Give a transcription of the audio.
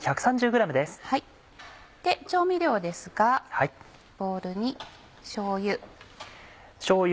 調味料ですがボウルにしょうゆ。